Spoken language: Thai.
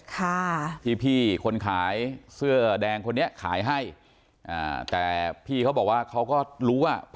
ค่ะที่พี่คนขายเสื้อแดงคนนี้ขายให้อ่าแต่พี่เขาบอกว่าเขาก็รู้ว่า